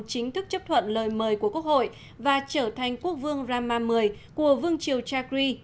chính thức chấp thuận lời mời của quốc hội và trở thành quốc vương rama x của vương triều chagri